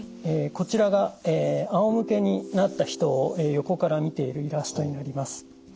こちらがあおむけになった人を横から見ているイラストになります。